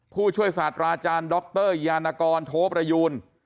ผู้ช่วยศาสตราอาจารย์ดรยานกรโทประยูน